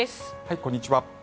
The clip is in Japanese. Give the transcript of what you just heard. こんにちは。